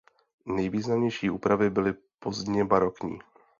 Nejvýznamnější úpravy byly pozdně barokní.